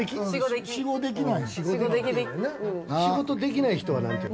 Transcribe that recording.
仕事できない人は何て言うの？